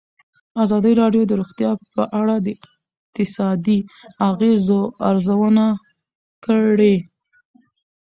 ازادي راډیو د روغتیا په اړه د اقتصادي اغېزو ارزونه کړې.